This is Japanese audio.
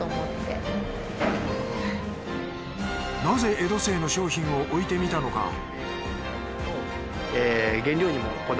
なぜ江戸清の商品を置いてみたのか？